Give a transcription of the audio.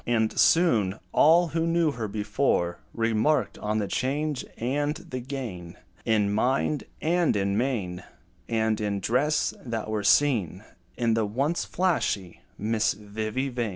And soon, all who knew her before Remarked on the change and the gain In mind, and in mien, And in dress, that were seen In the once flashy Miss Vivy Vain.